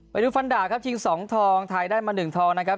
ไปดูฟันดาครับชิง๒ทองไทยได้มา๑ทองนะครับ